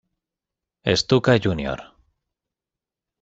Stuka Jr.